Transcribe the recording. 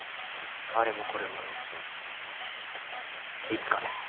あれもこれもいつかね